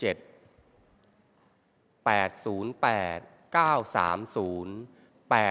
ออกรางวัลที่๔ครั้งที่๑๖